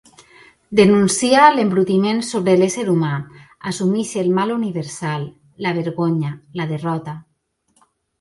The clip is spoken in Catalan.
Denuncia l'embrutiment sobre l'ésser humà, assumeix el mal universal, la vergonya, la derrota.